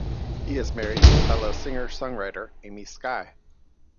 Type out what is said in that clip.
He is married to fellow singer-songwriter Amy Sky.